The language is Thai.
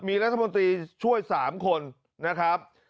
มีรัฐมนตรีช่วย๓คนนะครับ